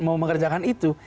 mau mengerjakan itu